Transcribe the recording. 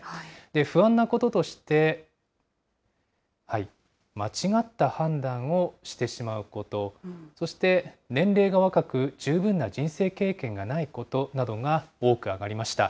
不安なこととして、間違った判断をしてしまうこと、そして年齢が若く、十分な人生経験がないことなどが多く挙がりました。